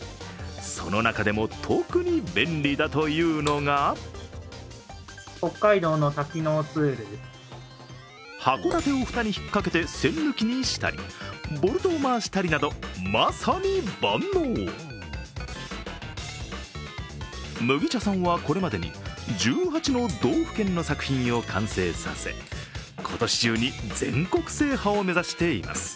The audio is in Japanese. その中でも特に便利だというのが函館を蓋に引っかけて栓抜きにしたり、ボルトを回したりなど、まさに万能麦茶さんは、これまでに１８の道府県の作品を完成させ、今年中に全国制覇を目指しています。